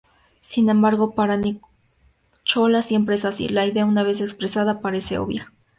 Sin embargo, para Nicholas siempre es así: la idea, una vez expresada, parece obvia.